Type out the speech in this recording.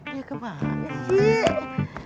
dia kemana sih